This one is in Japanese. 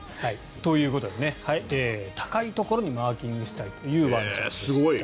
ということで高いところにマーキングしたいというワンちゃんでした。